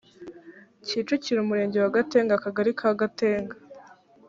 kicukiro umurenge wa gatenga akagali ka gatenga